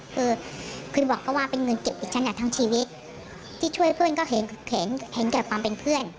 คือเคยบอกเขาว่าเป็นเงินเก็บดิฉันอ่ะทั้งชีวิตที่ช่วยเพื่อนก็เห็นเห็นแก่ความเป็นเพื่อน